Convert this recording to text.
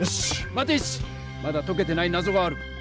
まだとけてないなぞがある。